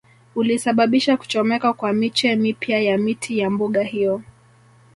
Ulisababisha kuchomeka kwa miche mipya ya miti ya mbuga hiyo